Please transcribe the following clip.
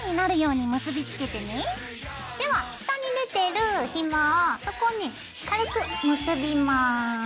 では下に出てるひもをそこをね軽く結びます。